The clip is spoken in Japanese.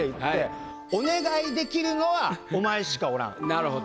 なるほど。